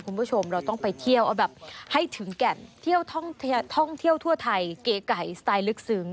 คุณผู้ชมเราต้องไปเที่ยวเอาแบบให้ถึงแก่นเที่ยวท่องเที่ยวทั่วไทยเก๋ไก่สไตล์ลึกซึ้ง